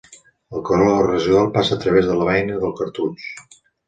El calor residual passa a través de la beina del cartutx.